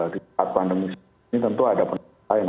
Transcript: di saat pandemi ini tentu ada penelitian